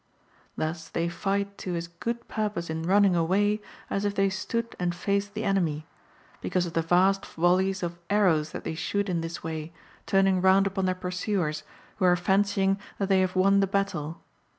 Thus they fight to as good purpose in running away as if they stood and faced the enemy, because of the vast volleys of arrows that they shoot in this way, turning round upon their pursuers, who are fancying that they have won the battle.